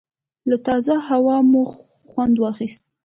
له تازه هوا مو خوند واخیست.